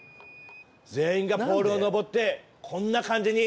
全員がポールを登ってこんな感じに。